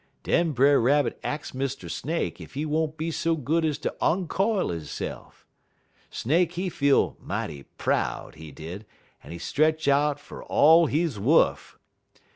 "Den Brer Rabbit ax Mr. Snake ef he won't be so good ez ter onquile hisse'f. Snake he feel mighty proud, he did, en he stretch out fer all he wuff.